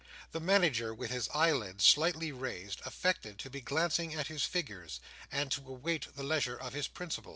The Manager, with his eyelids slightly raised, affected to be glancing at his figures, and to await the leisure of his principal.